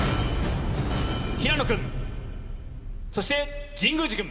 平野君、そして神宮寺君。